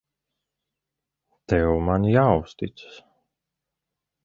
Tev man jāuzticas.